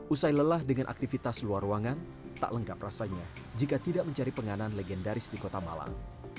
usai lelah dengan aktivitas luar ruangan tak lengkap rasanya jika tidak mencari penganan legendaris di kota malang